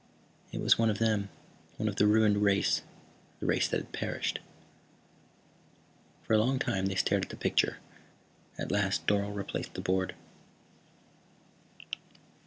It was one of them, one of the ruined race, the race that had perished. For a long time they stared at the picture. At last Dorle replaced the board.